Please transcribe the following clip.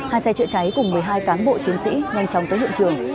hai xe chữa cháy cùng một mươi hai cán bộ chiến sĩ nhanh chóng tới hiện trường